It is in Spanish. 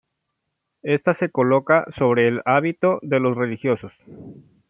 Esta se coloca sobre el hábito de los religiosos.